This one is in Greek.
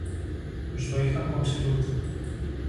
Τους το είχαν κόψει οι Τούρκοι